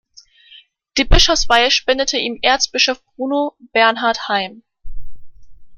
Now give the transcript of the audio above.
Die Bischofsweihe spendete ihm Erzbischof Bruno Bernhard Heim.